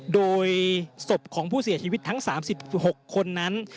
โดยศพของผู้เสียชีวิตทั้ง๓๖คนนั้น